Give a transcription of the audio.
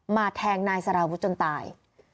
แทงนายสารวุฒิจนตาย